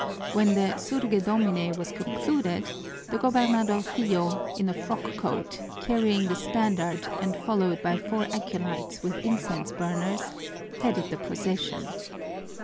When the Surge Domine was concluded, the gobernadorcillo, in a frock coat, carrying the standard and followed by four acolytes with incense burners, headed the procession.